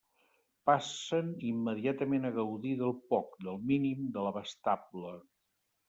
Passen immediatament a gaudir del poc, del mínim, de l'abastable.